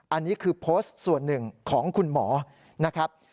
อันนี้คือโพสต์ส่วนหนึ่งของคุณหมอนะครับ